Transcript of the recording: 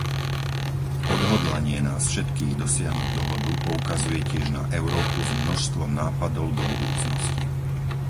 Odhodlanie nás všetkých dosiahnuť dohodu poukazuje tiež na Európu s množstvom nápadov do budúcnosti.